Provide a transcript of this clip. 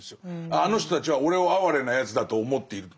あの人たちは俺を哀れなやつだと思っていると。